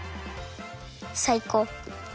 さいこう。